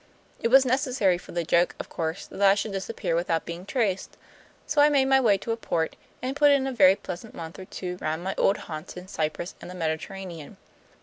It was necessary for the joke, of course, that I should disappear without being traced; so I made my way to a port, and put in a very pleasant month or two round my old haunts in Cyprus and the Mediterranean.